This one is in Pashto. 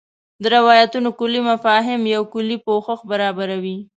د روایتونو کُلي مفاهیم یو کُلي پوښښ برابروي.